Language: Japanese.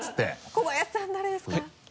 小林さん誰ですか？